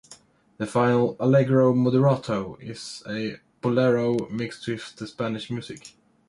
The final, "allegro moderato", is a "bolero" mixed with the Spanish music.